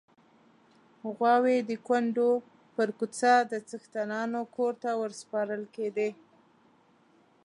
غواوې د کونډو پر کوڅه د څښتنانو کور ته ورسپارل کېدې.